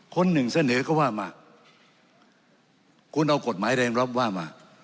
คนหนึ่งเสนอก็ว่ามาคุณเอากฎหมายแรงรับว่ามา